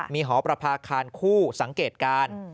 มีหอประพาคารคู่สังเกตการ